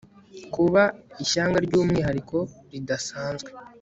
kuba ishyanga ry'umwihariko ridasanzwe